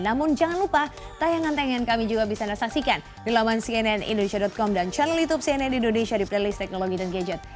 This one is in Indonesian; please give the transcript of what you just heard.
namun jangan lupa tayangan tayangan kami juga bisa anda saksikan di laman cnnindonesia com dan channel youtube cnn indonesia di playlist teknologi dan gadget